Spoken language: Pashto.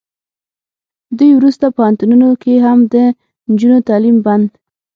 دوی ورسته پوهنتونونو کې هم د نجونو تعلیم بند